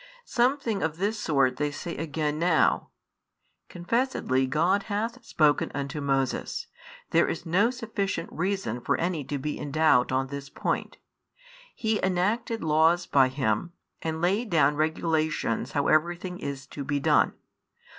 Something of this sort they say again now: "confessedly God hath spoken unto Moses; there is no sufficient reason for any to be in doubt on this point; He enacted laws by him, and laid down regulations how every thing is to be done.